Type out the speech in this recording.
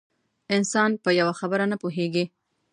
انسان په یوه خبره نه پوهېږي.